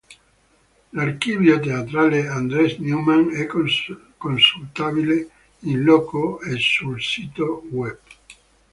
L’Archivio Teatrale Andres Neumann è consultabile in loco e sul sito web.